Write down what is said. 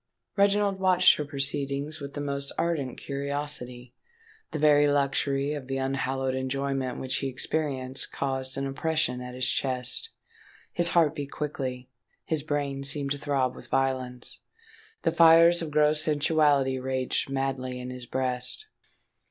Reginald watched her proceedings with the most ardent curiosity: the very luxury of the unhallowed enjoyment which he experienced caused an oppression at his chest; his heart beat quickly; his brain seemed to throb with violence. The fires of gross sensuality raged madly in his breast.